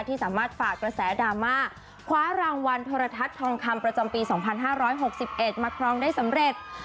ที่สามารถฝากกระแสดราม่าคว้ารางวัลโทรทัศน์ทองคำประจำปีสองพันห้าร้อยหกสิบเอ็ดมาครองได้สำเร็จ